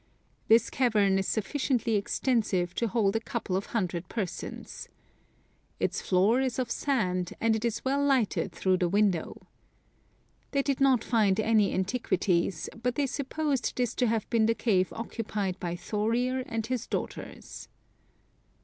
This cavern is sufficiently extensive to hold a couple of hundred persons. Its floor is of sand, and it is well lighted through the window. They did not find any antiquities ; but they supposed this to have been the cave occupied by Thorir and his daughters.